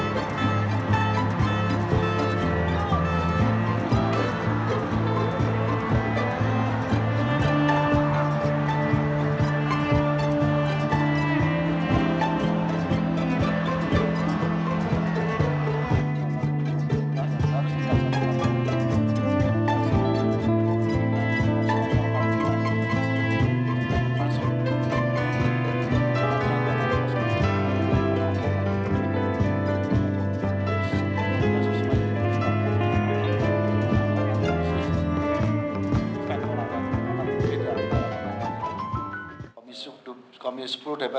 kita harus sebuahnya sesuai dengan standar pengamatan khusus